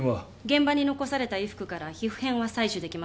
現場に残された衣服から皮膚片は採取できました。